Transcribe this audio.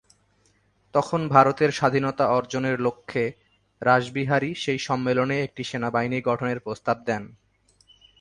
তখন ভারতের স্বাধীনতা অর্জনের লক্ষ্যে রাসবিহারী সেই সম্মেলনে একটি সেনাবাহিনী গঠনের প্রস্তাব দেন।